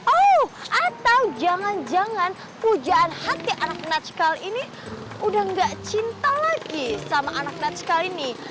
oh atau jangan jangan pujaan hati anak najkal ini udah gak cinta lagi sama anak natskal ini